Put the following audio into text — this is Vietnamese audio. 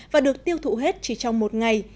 và được tiêu thụ hết chỉ trong một ngày